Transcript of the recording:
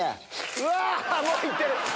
うわもう行ってる！